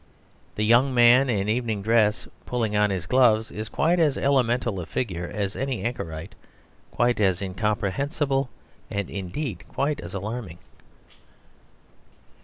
The young man in evening dress, pulling on his gloves, is quite as elemental a figure as any anchorite, quite as incomprehensible, and indeed quite as alarming.